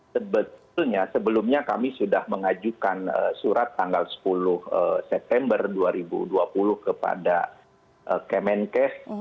sebetulnya sebelumnya kami sudah mengajukan surat tanggal sepuluh september dua ribu dua puluh kepada kemenkes